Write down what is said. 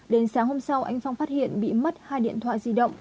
đến sáng hôm sau anh phong phát hiện bị mất hai điện thoại di động